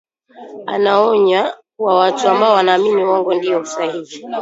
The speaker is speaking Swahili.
Anaonya kuwa watu ambao wanaamini uongo ndiyo sahihi